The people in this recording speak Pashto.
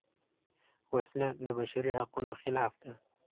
وسله د بشري حقونو خلاف ده